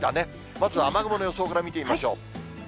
まずは雨雲の予想から見てみましょう。